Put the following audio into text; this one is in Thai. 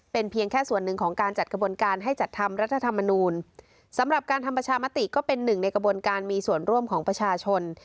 เป็นเพียงแค่ส่วนหนึ่งของการจัดกระบวนการให้จัดทำรัฐธรรมนูลสำหรับการทำประชามติก็เป็นหนึ่งในกระบวนการมีส่วนร่วมของประชาชน